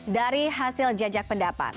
dari hasil jajak pendapat